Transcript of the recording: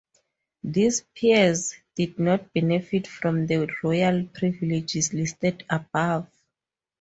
These "peers" did not benefit from the royal privileges listed above.